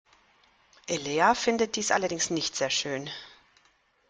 Elea findet dies allerdings nicht sehr schön.